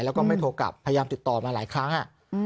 แล้วก็ไม่โทรกลับพยายามติดต่อมาหลายครั้ง